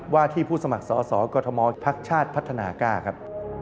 ที่ผู้สมัครสอสอกรทมพักชาติพัฒนากล้าครับ